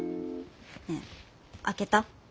ねえ開けた？